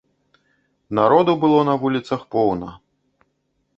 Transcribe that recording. Народу было на вуліцах поўна.